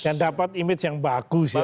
dan dapat image yang bagus ya